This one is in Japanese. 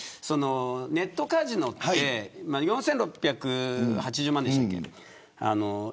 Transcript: ネットカジノって４６８０万でしたっけ。